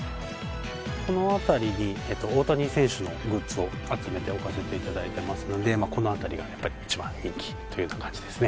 この辺りに、大谷選手のグッズを集めて置かせていただいてますので、この辺りがやっぱり一番人気というような感じですね。